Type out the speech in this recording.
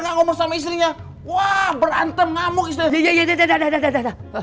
ngomong sama istrinya wah berantem ngamuk istri saya ya ya ya udah udah udah udah